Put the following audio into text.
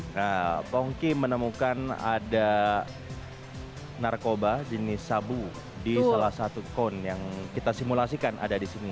nah pongki menemukan ada narkoba jenis sabu di salah satu cone yang kita simulasikan ada di sini